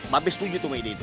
mampus tuh gitu mah ide itu